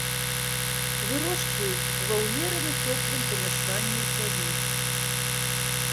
Вырошчваюць ва ўмерана цёплым памяшканні ў цяні.